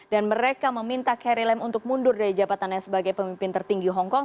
dan mereka meminta carrie lam untuk mundur dari jabatannya sebagai pemimpin tertinggi hongkong